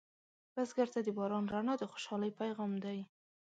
بزګر ته د باران رڼا د خوشحالۍ پیغام دی